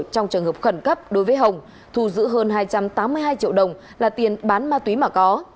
trong trường hợp khẩn cấp đối với hồng thù giữ hơn hai trăm tám mươi hai triệu đồng là tiền bán ma túy mà có